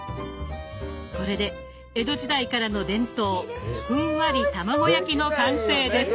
これで江戸時代からの伝統ふんわり卵焼きの完成です！